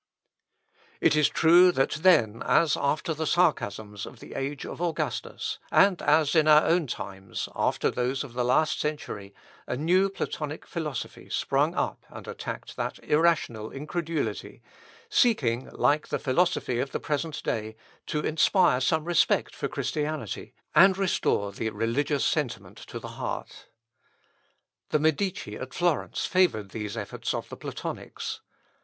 It is true that then, as after the sarcasms of the age of Augustus, and as in our own times, after those of the last century, a new Platonic philosophy sprung up and attacked that irrational incredulity, seeking, like the philosophy of the present day, to inspire some respect for Christianity, and restore the religious sentiment to the heart. The Medici at Florence favoured these efforts of the Platonics.